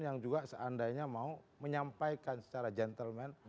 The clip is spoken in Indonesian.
yang juga seandainya mau menyampaikan secara gentleman